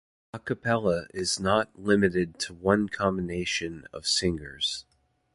Acappella is not limited to one combination of singers.